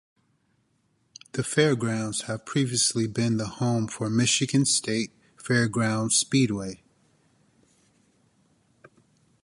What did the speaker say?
The fairgrounds had previously been the home for the Michigan State Fairgrounds Speedway.